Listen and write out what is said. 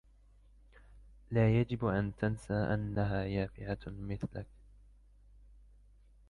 لا يجب أن تنسى أنّها يافعة مثلك.